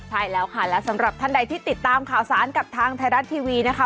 ใช่แล้วค่ะและสำหรับท่านใดที่ติดตามข่าวสารกับทางไทยรัฐทีวีนะคะ